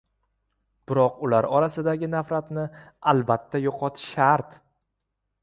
biroq ular orasidagi nafratni albatta yo‘qotish shart.